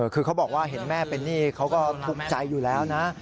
คือเขาบอกว่าเห็นแม่เป็นหนี้เขาก็ทุกข์ใจอยู่แล้วนะ